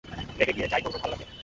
রেগে গিয়ে যা ই করবো, ভালো লাগবে?